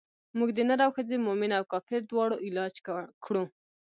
موږ د نر او ښځې مومن او کافر د دواړو علاج کړو.